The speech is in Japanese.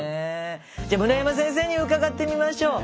じゃあ室山先生に伺ってみましょう。